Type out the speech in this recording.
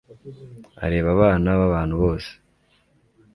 areba abana b'abantu bose